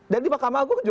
dan di mahkamah agung